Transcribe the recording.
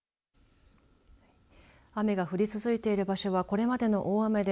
雨が降り続いている場所はこれまでの大雨で